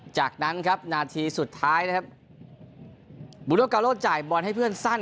จากนั้นครับนาทีสุดท้ายนะครับบูโดกาโลจ่ายบอลให้เพื่อนสั้น